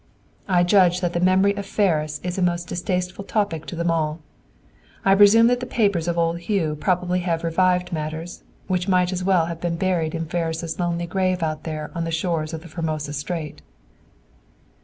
"I judge that the memory of Ferris is a most distasteful topic to them all. I presume that the papers of old Hugh probably have revived matters, which might as well be buried in Ferris' lonely grave out there on the shores of the Formosa Strait."